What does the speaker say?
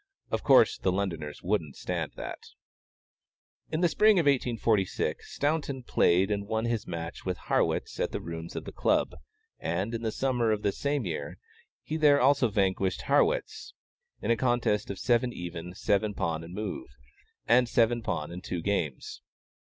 Of course the Londoners wouldn't stand that. In the spring of 1846, Staunton played and won his match with Harrwitz at the rooms of the Club, and, in the summer of the same year, he there also vanquished Harrwitz, in a contest of seven even, seven pawn and move, and seven pawn and two games.